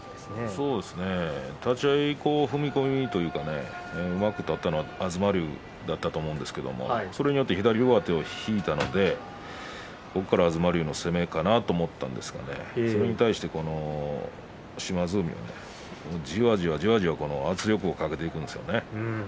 そうですね、立ち合い踏み込みというかうまく立ったのは東龍だったと思うんですがそれによって左上手を引いたのでここから東龍の攻めかなと思ったんですがそれに対して島津海はじわじわと圧力をかけていきました。